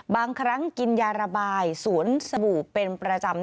บางครั้งกินยาระบายสวนสบู่เป็นประจำ